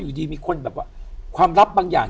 หยุดดีมีคนความรับบางอย่าง